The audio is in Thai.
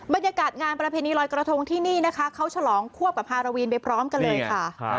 บรรยากาศงานประเพณีลอยกระทงที่นี่นะคะเขาฉลองควบกับฮาราวีนไปพร้อมกันเลยค่ะ